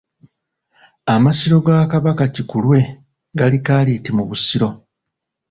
Amasiro ga Kabaka Kikulwe gali Kkaaliiti mu Busiro.